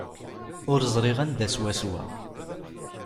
Ur ẓriɣ anda swaswa.